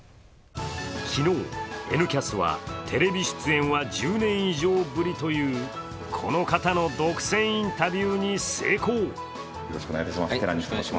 昨日「Ｎキャス」はテレビ出演は１０年以上ぶりというこの方の独占インタビューに成功。